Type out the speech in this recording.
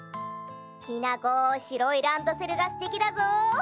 きなこしろいランドセルがすてきだぞ。